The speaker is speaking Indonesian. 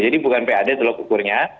jadi bukan pad telah ukurnya